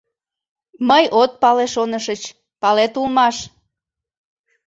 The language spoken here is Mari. Мый от пале шонышыч, палет улмаш.